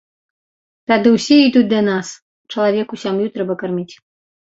Тады ўсе ідуць да нас, чалавеку сям'ю трэба карміць.